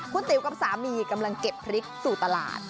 คุณติ๋วกับสามีกำลังเก็บพริกสู่ตลาด